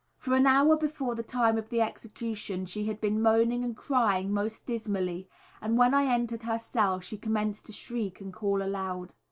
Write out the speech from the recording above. For an hour before the time of the execution she had been moaning and crying most dismally, and when I entered her cell she commenced to shriek and call aloud.